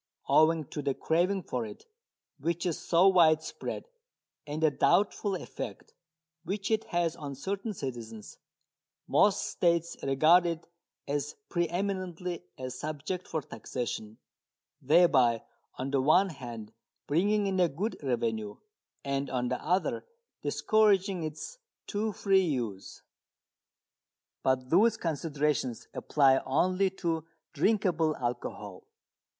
Owing to the craving for it, which is so widespread, and the doubtful effect which it has on certain citizens, most states regard it as pre eminently a subject for taxation, thereby on the one hand bringing in a good revenue, and on the other discouraging its too free use. But those considerations apply only to drinkable alcohol.